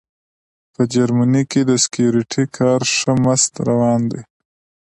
په جرمني کې د سیکیورټي کار ښه مست روان دی